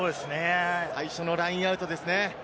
最初のラインアウトですね。